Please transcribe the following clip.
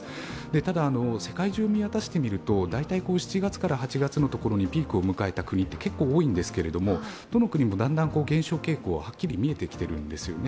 ただ、世界中を見渡してみると大体、７月から８月のところにピークを迎えた国って結構多いんですけれどもどの国もだんだん減少傾向ははっきり見えてきているんですよね。